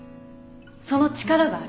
その力がある。